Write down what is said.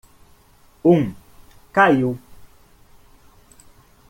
Um caiu